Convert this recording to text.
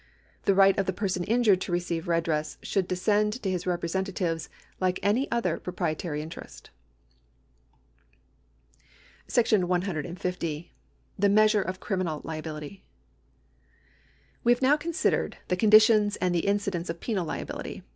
The right of the person injured to receive redress should descend to his representatives like any other proprietary interest. § 150. The Measure o f Criminal Liability. We have now considered the conditions and the incidence of penal liability.